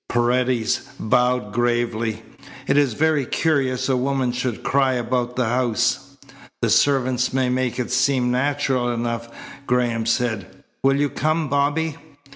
Paredes bowed gravely. "It is very curious a woman should cry about the house." "The servants may make it seem natural enough," Graham said. "Will you come, Bobby?"